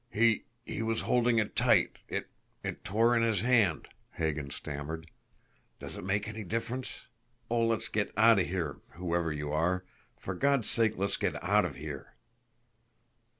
"He he was holding it tight, it it tore in his hand," Hagan stammered. "Does it make any difference? Oh, let's get out of here, whoever you are for God's sake let's get out of here!"